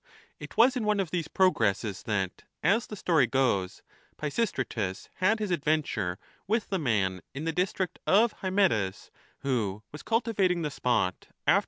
It was in one of these progresses that, as the story goes, Pisistratus had his adventure with the man in the district of Hymettus, who was cultivating the spot after i See ch.